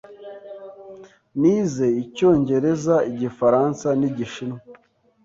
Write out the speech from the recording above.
Nize Icyongereza, Igifaransa n'Igishinwa.